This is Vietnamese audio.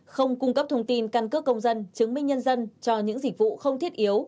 không cung cấp thông tin căn cước công dân chứng minh nhân dân cho những dịch vụ không thiết yếu